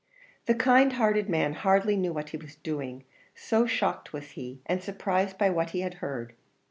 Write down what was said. The kind hearted man hardly knew what he was doing, so shocked was he, and surprised by what he had heard.